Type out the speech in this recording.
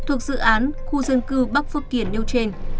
thuộc dự án khu dân cư bắc phước kiển nêu trên